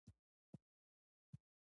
تم شوم، پيښمانه وم، شاګرځ شوم